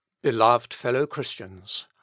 Be loved fellow Christians !